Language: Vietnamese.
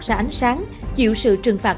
ra ánh sáng chịu sự trừng phạt